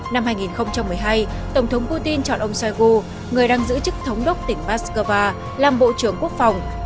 năm hai nghìn một mươi hai tổng thống putin chọn ông sheigu người đang giữ chức thống đốc tỉnh moscow làm bộ trưởng quốc phòng